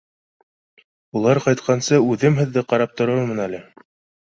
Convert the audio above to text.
Улар ҡайтҡансы үҙем һеҙҙе ҡарап торормон әле.